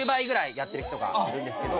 やってる人がいるんですけど。